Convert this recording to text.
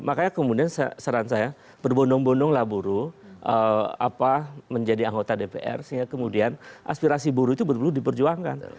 makanya kemudian saran saya berbondong bondonglah buruh menjadi anggota dpr sehingga kemudian aspirasi buruh itu berbulu diperjuangkan